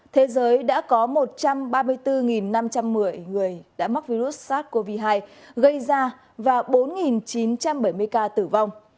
thế giới đã có một trăm ba mươi bốn năm trăm một mươi người đã mắc virus sars cov hai gây ra và bốn chín trăm bảy mươi ca tử vong